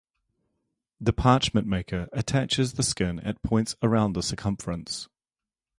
The parchment maker attaches the skin at points around the circumference.